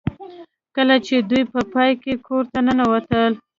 کله چې دوی په پای کې کور ته ننوتل